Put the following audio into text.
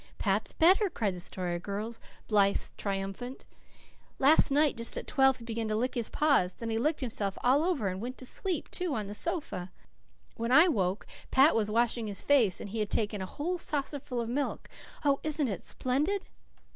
"Pat's better," cried the Story Girl, blithe, triumphant. "Last night, just at twelve, he began to lick his paws. Then he licked himself all over and went to sleep, too, on the sofa. When I woke Pat was washing his face, and he has taken a whole saucerful of milk. Oh, isn't it splendid?"